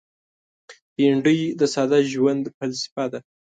بېنډۍ د ساده ژوند فلسفه ده